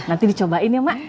nanti dicobain ya mak